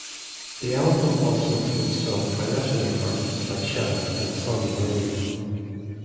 The album also includes songs by lesser-known artists like Shanna and Sonja Marie.